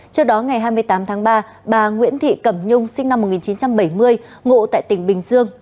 trước đó ngày hai mươi tám tháng ba bà nguyễn thị cẩm nhung sinh năm một nghìn chín trăm bảy mươi ngộ tại tỉnh bình dương